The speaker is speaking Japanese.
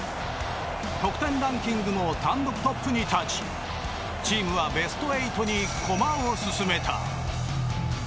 得点ランキングも単独トップに立ちチームはベスト８に駒を進めた。